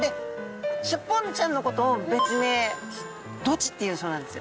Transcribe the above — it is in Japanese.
スッポンちゃんのことを別名ドチっていうそうなんです。